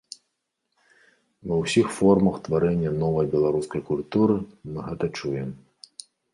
Ва ўсіх формах тварэння новай беларускай культуры мы гэта чуем.